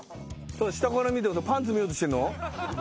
下から見てパンツ見ようとしてんの？